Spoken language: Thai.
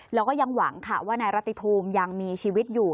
แล้วก็ยังหวังค่ะว่านายรัติภูมิยังมีชีวิตอยู่